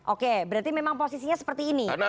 oke berarti memang posisinya seperti ini